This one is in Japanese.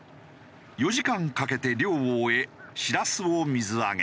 ４時間かけて漁を終えしらすを水揚げ。